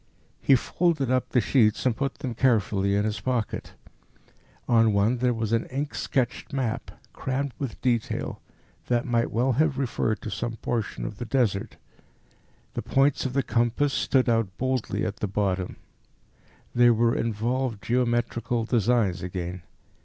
He folded up the sheets and put them carefully in his pocket. On one there was an ink sketched map, crammed with detail, that might well have referred to some portion of the Desert. The points of the compass stood out boldly at the bottom. There were involved geometrical designs again.